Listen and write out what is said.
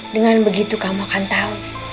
dengan begitu kamu akan tahu